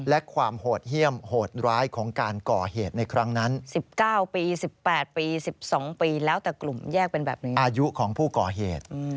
อายุของผู้ก่อเหตุ